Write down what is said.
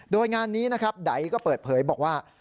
โดยงานนี้นะครับไดก็เปิดเผยบอกว่า